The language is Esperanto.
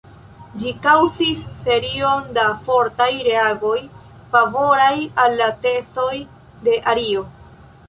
Ĝi kaŭzis serion da fortaj reagoj favoraj al la tezoj de Ario.